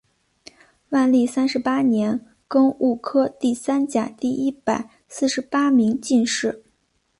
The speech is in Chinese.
万历三十八年庚戌科第三甲第一百四十八名进士。